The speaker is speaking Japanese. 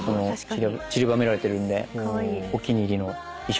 ちりばめられてるんでお気に入りの衣装ですね。